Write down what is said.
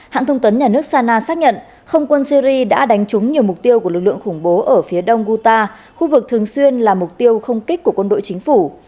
hãng thông tấn nhà nước sana xác nhận không quân syri đã đánh trúng nhiều mục tiêu của lực lượng khủng bố ở phía đông guta khu vực thường xuyên là mục tiêu không kích của quân đội chính phủ